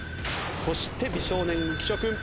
そして美少年浮所君。